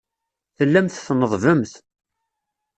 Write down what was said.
Tellamt tneḍḍbemt.